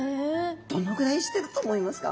どのぐらいしてると思いますか？